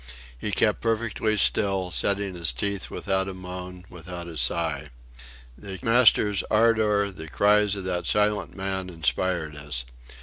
He kept perfectly still, setting his teeth without a moan, without a sigh. The master's ardour, the cries of that silent man inspired us.